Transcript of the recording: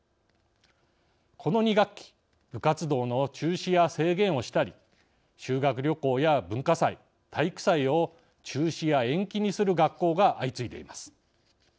この２学期部活動の中止や制限をしたり修学旅行や文化祭体育祭を中止や延期にする学校が相次いでいます。